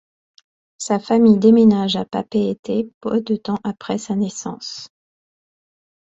Sa famille déménage à Papeete peu de temps après sa naissance.